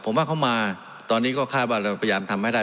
ผมว่าเขามาตอนนี้ก็คาดว่าเราพยายามทำให้ได้